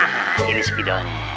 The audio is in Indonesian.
nah ini spidolnya